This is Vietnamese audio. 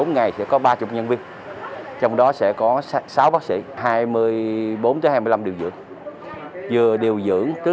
bốn ngày sẽ có ba mươi nhân viên trong đó sẽ có sáu bác sĩ hai mươi bốn hai mươi năm điều dưỡng